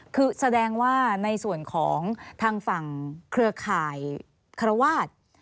คือแสดงว่าในส่วนของทางฝั่งเครือข่ายคารวาส